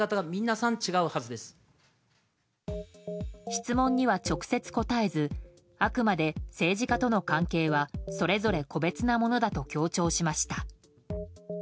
質問には直接答えずあくまで政治家との関係はそれぞれ個別なものだと強調しました。